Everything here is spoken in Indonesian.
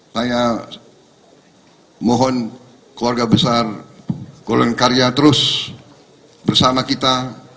saya mohon keluarga besar golongan karya terus bersama kita